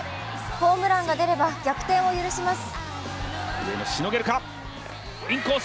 ホームランが出れば逆転を許します。